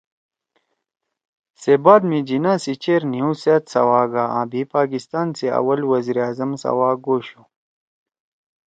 سے بعد می جناح سی چیر نھیؤ سأت سوا گا آں بھی پاکستان سی اوَل وزیر اعظم سوا گوشُو